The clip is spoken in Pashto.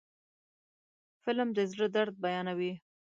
فلم د زړه درد بیانوي